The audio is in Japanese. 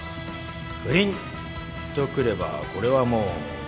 不倫とくればこれはもうねえ。